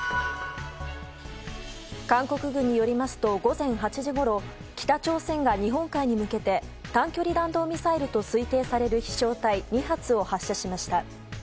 韓国軍によりますと午前８時ごろ北朝鮮が日本海に向けて短距離弾道ミサイルと推定される飛翔体２発を発射しました。